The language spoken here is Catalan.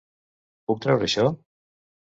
Puc treure això?